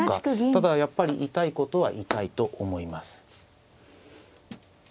ただやっぱり痛いことは痛いと思います。